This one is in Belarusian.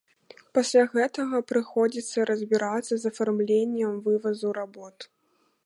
Пасля гэтага прыходзіцца разбірацца з афармленнем вывазу работ.